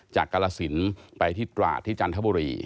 กรสินไปที่ตราดที่จันทบุรี